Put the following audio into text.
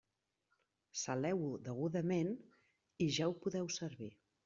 Saleu-ho degudament i ja ho podeu servir.